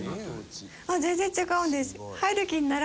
全然違うんです。